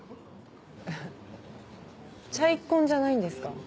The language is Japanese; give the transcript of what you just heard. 『チャイコン』じゃないんですか？